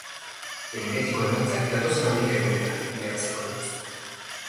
Behin betiko emaitzak datozen hamaika egunetan jakinaraziko dituzte.